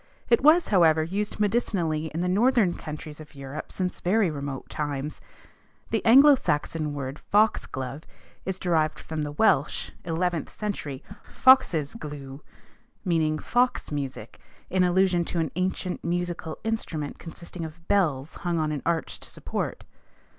It was, however, used medicinally in the northern countries of Europe since very remote times. The Anglo Saxon word fox glove is derived from the Welsh (11th century), foxes glew, meaning fox music in allusion to an ancient musical instrument consisting of bells hung on an arched support.